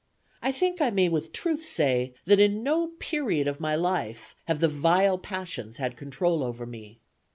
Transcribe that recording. I think I may with truth say, that in no period of my life have the vile passions had control over me.